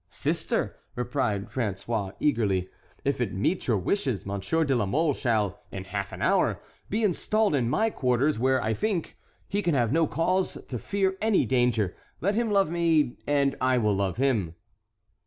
"Sister," replied François, eagerly, "if it meet your wishes, Monsieur de la Mole shall, in half an hour, be installed in my quarters, where, I think, he can have no cause to fear any danger. Let him love me and I will love him."